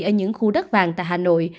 ở những khu đất vàng tại hà nội